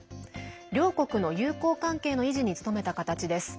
両国の友好関係の維持に努めた形です。